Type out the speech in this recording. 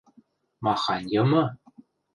– Махань йымы?